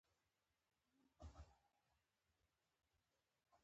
پرون په دښته کې ټکه لوېدلې وه.